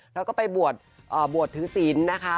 เราก็ไปบวชถึงสีนะฮะ